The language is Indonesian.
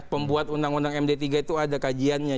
pembuat undang undang md tiga itu ada kajiannya